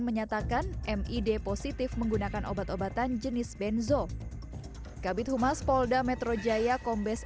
menyatakan mid positif menggunakan obat obatan jenis benzo kabit humas polda metro jaya kombes